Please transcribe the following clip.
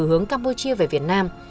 từ hướng campuchia về việt nam